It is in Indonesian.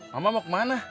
mama mau kemana